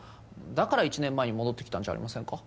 だから１年前に戻ってきたんじゃありませんか？